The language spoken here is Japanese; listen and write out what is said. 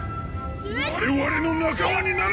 我々の仲間になるのだ！